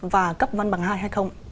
và cấp văn bằng hai hay không